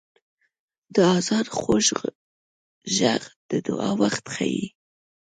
• د آذان خوږ ږغ د دعا وخت ښيي.